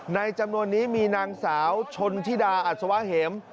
จำนวนนี้มีนางสาวชนธิดาอัศวะเหม